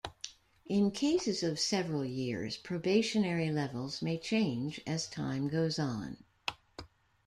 In cases of several years, probationary levels may change as time goes on.